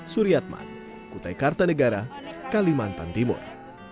suryatman kutai kartanegara kalimantan timur